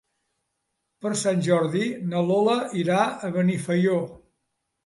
Per Sant Jordi na Lola irà a Benifaió.